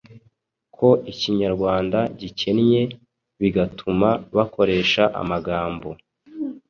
ko Ikinyarwanda gikennye bigatuma bakoresha amagambo